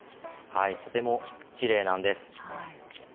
とてもきれいなんです。